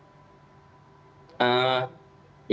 ya mbak kalau sekarang